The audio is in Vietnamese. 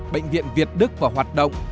bệnh viện việt đức vào hoạt động